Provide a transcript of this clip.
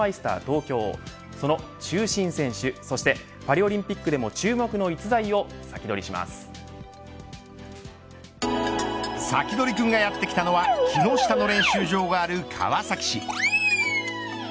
東京の中心選手パリオリンピックでも注目のサキドリくんがやってきたのは木下の練習場がある川崎市。